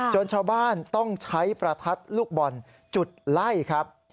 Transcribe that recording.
ชาวบ้านต้องใช้ประทัดลูกบอลจุดไล่ครับ